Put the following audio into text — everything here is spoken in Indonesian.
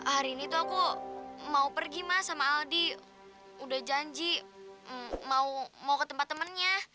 hari ini tuh aku mau pergi mas sama aldi udah janji mau ke tempat temennya